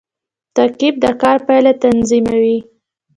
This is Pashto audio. تعقیب د کار پایله تضمینوي